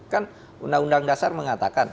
kan undang undang dasar mengatakan